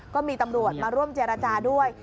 ก็มีตำรวจมาร่วมเจรจาด้วย